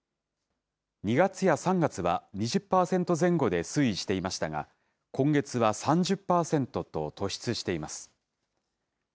２月や３月は２０％前後で推移していましたが、今月は３０％と突出しています。